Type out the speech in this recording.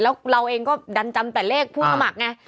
แล้วเราเองก็ดันจำแต่เลขผู้สมัครไง